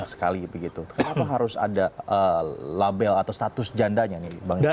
kenapa harus ada label atau status jandanya nih bang jan